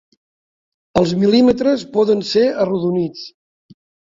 Els mil·límetres poden ser arrodonits.